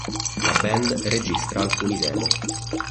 La band registra alcuni demo.